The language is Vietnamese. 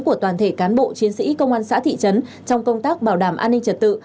của toàn thể cán bộ chiến sĩ công an xã thị trấn trong công tác bảo đảm an ninh trật tự